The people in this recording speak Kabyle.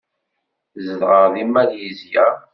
Zedɣeɣ deg Malizya.